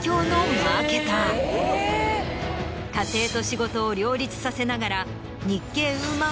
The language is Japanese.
家庭と仕事を両立させながら。